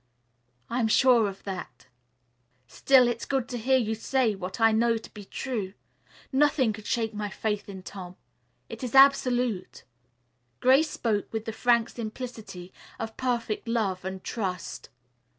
"I am sure of that. Still it's good to hear you say what I know to be true. Nothing could shake my faith in Tom. It is absolute." Grace spoke with the frank simplicity of perfect love and trust.